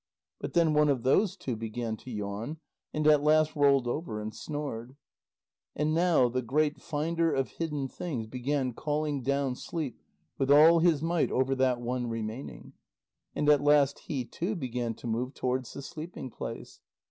But then one of those two began to yawn, and at last rolled over and snored. And now the great finder of hidden things began calling down sleep with all his might over that one remaining. And at last he too began to move towards the sleeping place.